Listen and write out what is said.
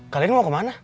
kalian mau ke mana